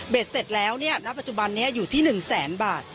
เบ็ดเสร็จแล้วเนี่ยณปัจจุบันนี้อยู่ที่หนึ่งแสนบาท